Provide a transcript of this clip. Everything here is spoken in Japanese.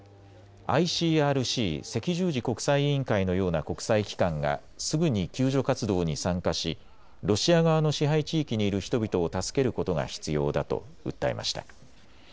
ＩＣＲＣ・赤十字国際委員会のような国際機関がすぐに救助活動に参加し、ロシア側の支配地域にいる人々を助けることが必要だと訴えました。